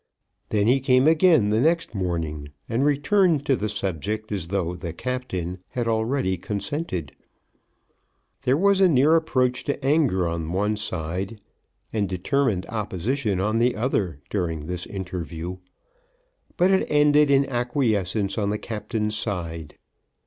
Then he came again the next morning, and returned to the subject as though "the Captain" had already consented. There was a near approach to anger on one side and determined opposition on the other during this interview, but it ended in acquiescence on the Captain's side.